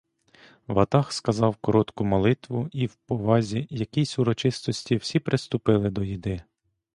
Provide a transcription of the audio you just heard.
Ватаг сказав коротку молитву — і в повазі, якійсь урочистості всі приступили до їди.